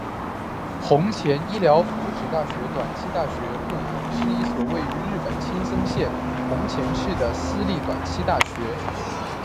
弘前医疗福祉大学短期大学部是一所位于日本青森县弘前市的私立短期大学。